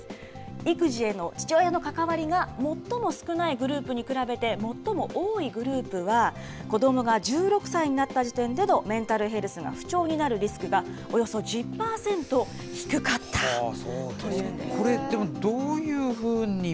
育児への父親の関わりが最も少ないグループに比べて、最も多いグループは、子どもが１６歳になった時点でのメンタルヘルスが不調になるリスクが、およそ１０％低かったというんですね。